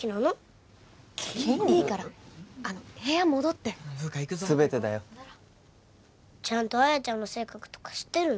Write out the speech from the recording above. いいからあの部屋戻って・風華行くぞ全てだよちゃんと綾ちゃんの性格とか知ってるの？